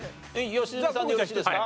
良純さんでよろしいですか？